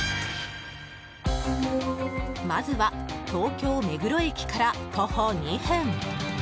まずは東京・目黒駅から徒歩２分